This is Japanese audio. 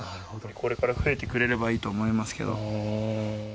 これから増えてくれればいいと思いますけど。